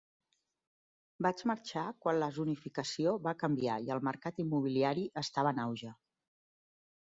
Vaig marxar quan la zonificació va canviar i el mercat immobiliari estava en auge.